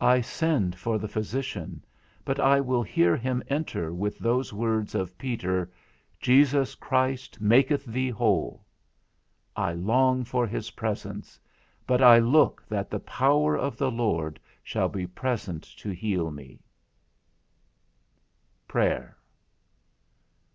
I send for the physician, but I will hear him enter with those words of Peter, Jesus Christ maketh thee whole; I long for his presence, but I look that the power of the Lord should be present to heal me. IV. PRAYER.